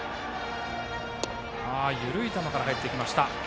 緩い球から入りました。